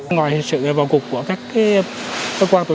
ngoài sự vào cục của các